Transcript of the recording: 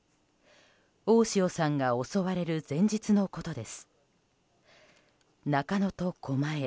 大塩さんが襲われる前日のことです。